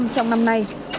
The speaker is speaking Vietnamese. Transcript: sáu tám trong năm nay